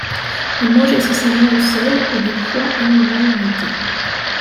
Elle mange essentiellement au sol, et des proies animales en été.